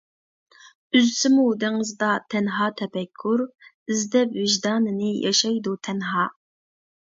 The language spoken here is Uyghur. ئۈزسىمۇ دېڭىزدا تەنھا تەپەككۇر، ئىزدەپ ۋىجداننى ياشايدۇ تەنھا.